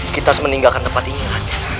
kita harus meninggalkan tempat ini